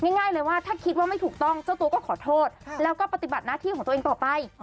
ง่ายเลยว่าถ้าคิดว่าไม่ถูกต้องเจ้าตัวก็ขอโทษแล้วก็ปฏิบัติหน้าที่ของตัวเองต่อไป